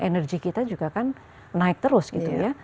energi kita juga kan naik terus gitu ya